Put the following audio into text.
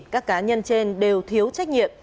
các cá nhân trên đều thiếu trách nhiệm